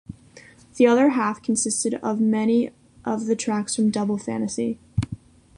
The other half consisted of many of the tracks from "Double Fantasy".